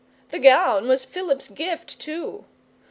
The gown was Philip's gift, too!